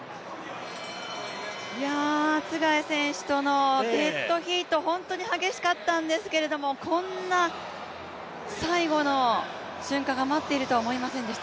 ツェガイ選手とのデッドヒート、本当に激しかったんですけどこんな最後の瞬間が待っているとは思いませんでした。